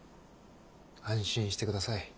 安心してください。